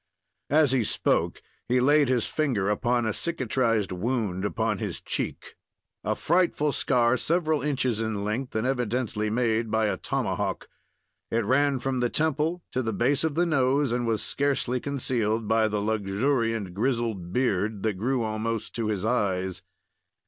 As he spoke, he laid his finger upon a cicatrized wound upon his cheek, a frightful scar several inches in length, and evidently made by a tomahawk. It ran from the temple to the base of the nose, and was scarcely concealed by the luxuriant grizzled beard that grew almost to his eyes.